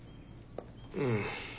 うん。